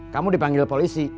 kamu dipanggil polisi